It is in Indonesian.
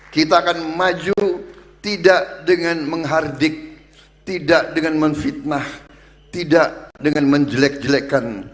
kita akan maju tidak dengan menghardik tidak dengan menfitnah tidak dengan menjelek jelekkan